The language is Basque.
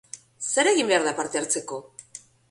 Zer egin behar da parte hartzeko?